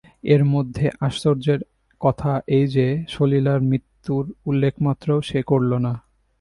এর মধ্যে আশ্চর্যের কথা এই যে, সলিলার মৃত্যুর উল্লেখমাত্রও সে করল না।